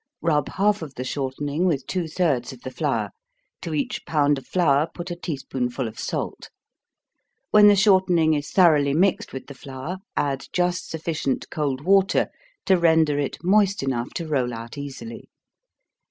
Rub half of the shortening with two thirds of the flour to each pound of flour put a tea spoonful of salt. When the shortening is thoroughly mixed with the flour, add just sufficient cold water to render it moist enough to roll out easily.